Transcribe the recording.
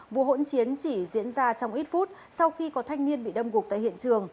vụ hỗn chiến chỉ diễn ra trong ít phút sau khi có thanh niên bị đâm gục tại hiện trường